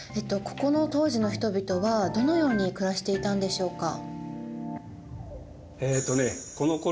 ここの当時の人々はどのように暮らしていたんでしょうか。